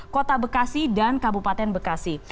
kota bekasi dan kabupaten bekasi